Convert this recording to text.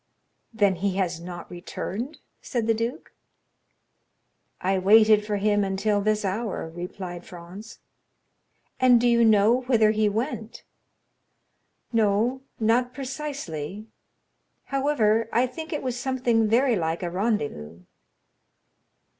"Then he has not returned?" said the duke. "I waited for him until this hour," replied Franz. "And do you know whither he went?" "No, not precisely; however, I think it was something very like a rendezvous."